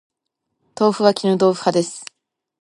豆腐は絹豆腐派です